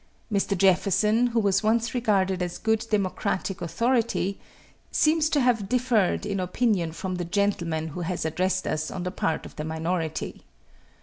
Mr. Jefferson, who was once regarded as good Democratic authority, seems to have differed in opinion from the gentleman who has addressed us on the part of the minority.